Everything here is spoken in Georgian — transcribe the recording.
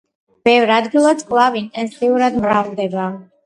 ბევრ ადგილას კვლავ ინტენსიურად მრავლდება.